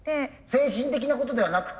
精神的なことではなくってね